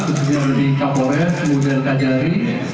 keputusan negeri kapolres kemudian kajari